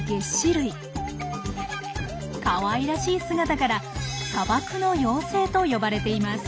かわいらしい姿から「砂漠の妖精」と呼ばれています。